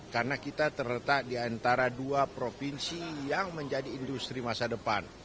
karena kita terletak di antara dua provinsi yang menjadi industri masa depan